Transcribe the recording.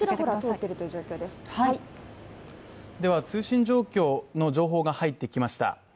通信状況の情報が入ってきました。